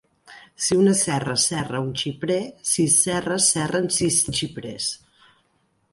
Si una serra serra un xiprer, sis serres serren sis xiprers.